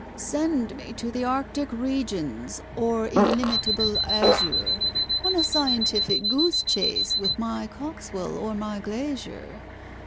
"Send me to the Arctic regions, or illimitable azure, On a scientific goose chase, with my COXWELL or my GLAISHER!